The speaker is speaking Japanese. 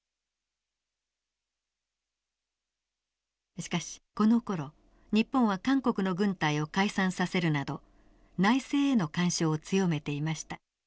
しかしこのころ日本は韓国の軍隊を解散させるなど内政への干渉を強めていました。